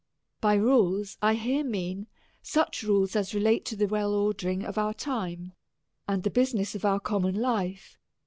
By rules, I here mean such rules as relate to the well ordering of our time, and the business of our common life.